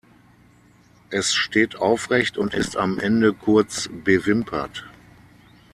Es steht aufrecht und ist am Ende kurz bewimpert.